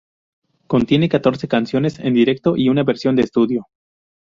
Contiene catorce canciones en directo y una versión de estudio.